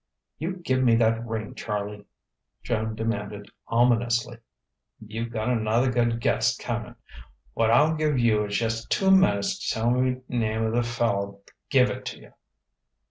"You give me that ring, Charlie," Joan demanded ominously. "You got anotha good guess coming. What I'll give you is jush two minutes to tell me name of the fellow't give it to you."